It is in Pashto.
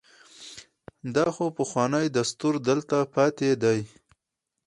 دا خو پخوانی دستور دلته پاتې دی.